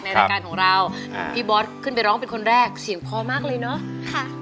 รายการของเราอ่าพี่บอสขึ้นไปร้องเป็นคนแรกเสียงพอมากเลยเนอะค่ะ